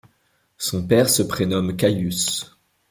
Son père se prénomme Caïus.